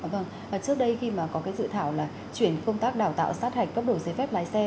vâng trước đây khi mà có cái dự thảo là chuyển công tác đào tạo sát hạch cấp đổi giấy phép lái xe